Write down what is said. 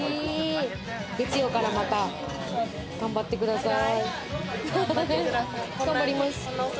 月曜からまた頑張ってください。